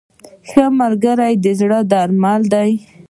• ښه ملګری د زړه درمل دی.